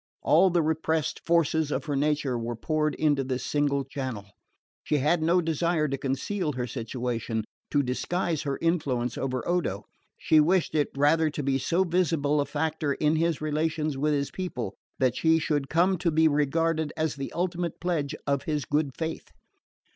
All the repressed forces of her nature were poured into this single channel. She had no desire to conceal her situation, to disguise her influence over Odo. She wished it rather to be so visible a factor in his relations with his people that she should come to be regarded as the ultimate pledge of his good faith.